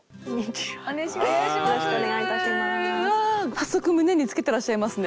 早速胸につけてらっしゃいますね。